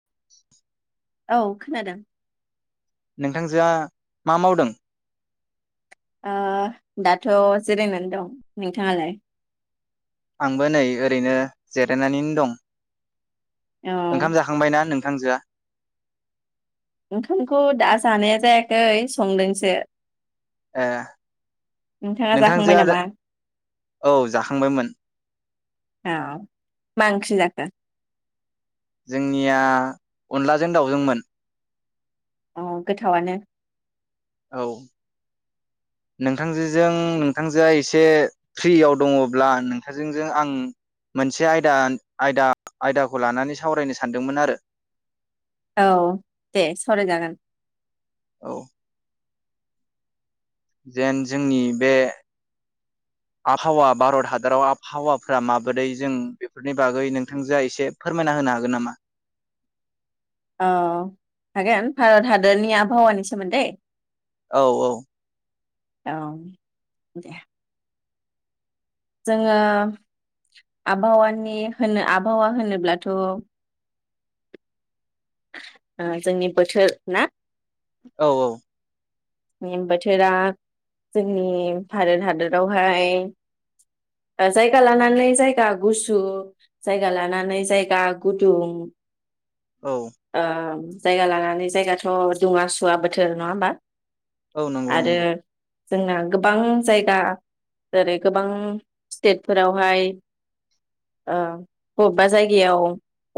[inaudible] औ खोनादों। नोंथांजोया मा मावदों? ओ दाथ' जिरायनानै दं। नोंथाङालाय? आंबो नै ओरैनो जिरायनानैनो दं। औ ओंखाम जाखांबायना नों? हानजा ओंखामखौ दा जानाया जायाखै संदोंसो। ए नोंथाङा जाखांबाय नोंथांजोआ नामा औ जाखांबायमोन औ मा ओंख्रि जाखो? जोंनिया अनलाजों दाउजोंमोन। औ गोथावानो। औ नोंथांजोजों नोंथांजोआ एसे फ्रियाव दङब्ला नोंथांजोंजों आं मोनसे आयदा आयदा आयदाखौ लानानै सावरायनो सानदोंमोन आरो। औ दे सावरायजागोन। औ जेन जोंनि बे आबहावा भारत हादराव आबहावाफ्रा माबोरै जों बेफोरनि बागै नोंथांजोआ एसे फोरमायना होनो हागोन नामा? औ हागोन भारत हादरनि आबहावानि सोमोन्दै। औ औ। औ दे। जोंङो आबहावानि होनो आबहावा होनोब्लाथ ओ जोंनि बोथोर ना? औ औ। बोथोरा जोंनि भारत हादरावहाय ओ जायगा लानानै जायगा गुसु जायगा लानानै जायगा गुदुं। औ ओम। जायगा लानानै जायगाथ दुङा सुवा बोथोर नङा होमबा? औ नंगौ आरो नंगौ। जोंना गोबां जायगा जेरै गोबां स्टेटफोरावहाय ओं बबेबा जायगायाव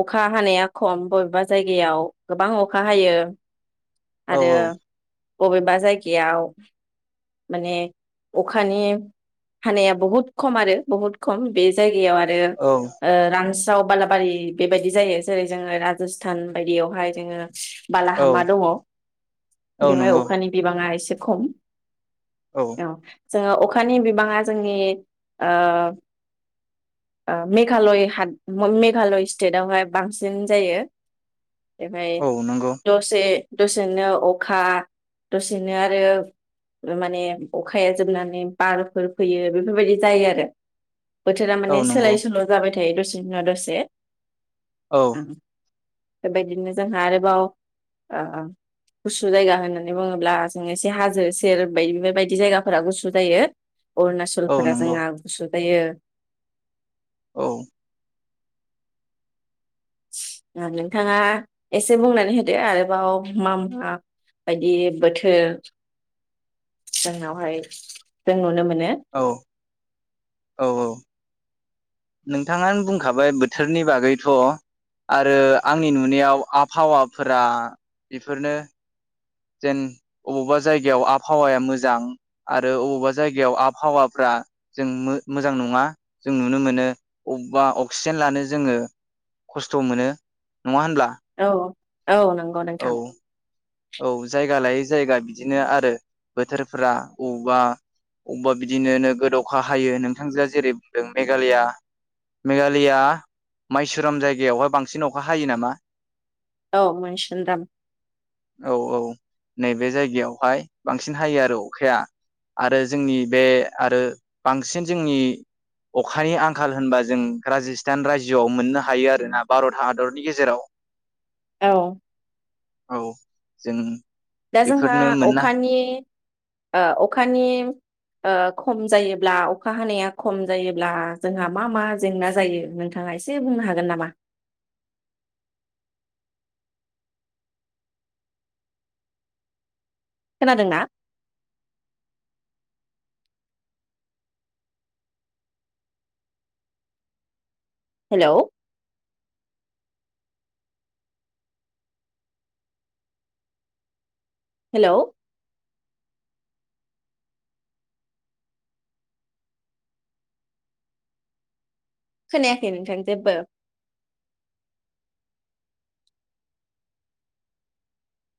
अखा हानाया खम बबेबा जायगायाव गोबां अखा हायो। औ आरो बबेबा जायगायाव माने अखानि हानाया बहुत खम आरो बहुत खम बे जायगा याव आरो औ ओ रांस फ्राव बालाबारि बेबायदि जायगायावसो जेरै जोंङो राजस्थान बायदियावहाय जोंङो औ बालाहामा दङ औ बेवहाय नंगौ अखा बिबांआ एसे खम। औ। जोंङो अखानि बिबाङा जोंनि ओ ओ मेघालय हाद मेघालय स्टेटवहाय बांसिन जायो। एफाय औ नंगौ दसे दसेनो अखा। दसेनो आरो माने अखाया जोबनानै बारफोर फैयो बेफोरबायदि जायो आरो। बोथोरा औ माने नंगौ सोलाय सोल जाबाय दसे नि उनाव दसे। औ। बेबायदिनो जोंहा आरोबाव ओ ओ गुसु जायगा होनो होननानै बुङोब्ला जोंङो एसे हाजो सेर बायदि बेफोरदि जायगाफोरा गुसु जायो। औ अरुणाचलफोरा नंगौ जोंआ गुसु जायो औ नोंथाङा एसे बुंनानै होदो आरोबाव मामा बायदि बोथोर जोंनावहाय जों नुनो मोन औ औ औ नोंथाङानो बुंखाबाय बोथोरनि बागैथ' आरो आंनि नुनायाव आबहावाफोरा बेफोरनो जेन अबेबा जायगायाव आबहावाया मोजां आरो अबावबा जायगायाव आबहावाफ्रा जों मोजां नङा जों नुनो मोनो अबेबा अक्सिजेन लानो जोङो खस्थ' मोनो। नङा होनब्ला? औ औ नंगौ नोंथां औ औ जायगा लायै जायगा बिदिनो आरो बोथोरफोरा अबेबा अबेबा बिदिनो नोगोद अखा हायो नोंथांजोआ जेरै बुंदों मेघालया मेघालया माइसुराम जायगायावहाय बांसिन अखा हायो नामा। औ मैसुन्दाम औ औ नैबे जायगायावहाय बांसिन हायो आरो अखाया आरो जोंनि बे आरो बांसिन जोंनि अखानि आंखाल होनबा जों राजस्थान रायजोआव मोननो हायो आरोना भारत हादरनि गेजेराव। औ औ जों दा जोंहा बेफोरनो मोननो अखानि ओ अखानि ओ खम जायोब्ला अखा हानाया खम जायोब्ला जोंहा मा मा जेंना जायो नोंथाङा एसे बुंनो हागोन नामा? खोनादोंना? हेल' हेलौ खोनायाखै नोंथां जेबो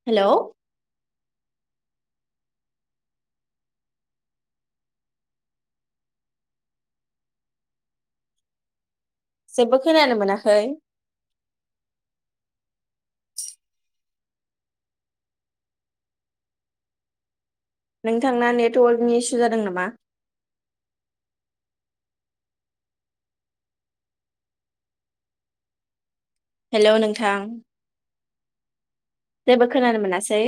हेलौ जेबो खोनानो मोनाखै नोंथांना नेटवर्कनि इसु जादों नामा? हेलौ नोंथां जेबो खोनानो मोनासै।